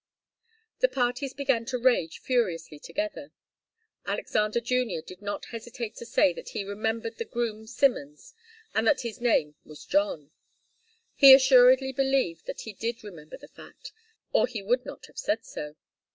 The parties began to rage furiously together. Alexander Junior did not hesitate to say that he remembered the groom Simmons, and that his name was John. He assuredly believed that he did remember the fact, or he would not have said so.